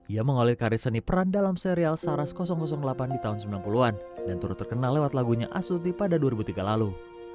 ia mengolik karya seni peran dalam serial saras delapan di tahun sembilan puluh an dan turut terkenal lewat lagunya asuti pada dua ribu tiga lalu